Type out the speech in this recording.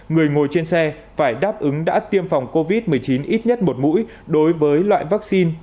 người ngồi trên xe phải đáp ứng đã tiêm phòng covid một mươi chín ít nhất một mũi đối với loại vaccine